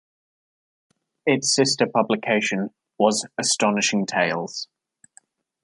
Its sister publication was "Astonishing Tales".